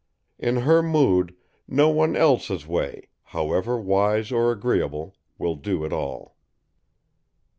In her mood, no one else's way, however, wise or agreeable, will do it all.